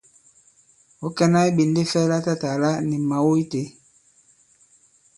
Ɔ̌ kɛ̀na iɓènde fɛ latatàla ni mào itē?